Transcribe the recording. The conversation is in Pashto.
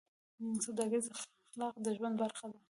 سوداګریز اخلاق د ژوند برخه ده.